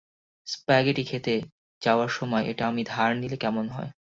Spaghetti খেতে যাওয়ার সময় এটা আমি ধার নিলে কেমন হয়?